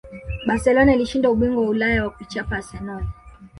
barcelona ilishinda ubingwa wa ulaya kwa kuichapa arsenal